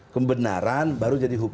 kebenaran baru jadi hukum